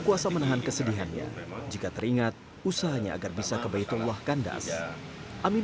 kuasa menahan kesedihannya jika teringat usahanya agar bisa ke baitullah kandas amin